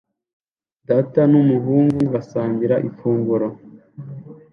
Data n'umuhungu basangira ifunguro